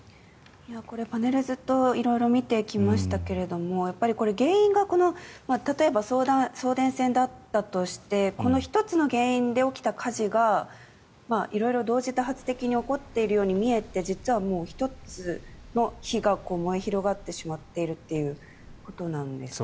これ、パネルをずっと見てきましたけどこれ、原因が例えば送電線だったとしてこの１つの原因で起きた火事が色々同時多発的に起こっているように見えて実は１つの火が燃え広がってしまっているということなんですか？